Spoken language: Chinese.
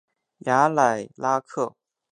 雅莱拉克。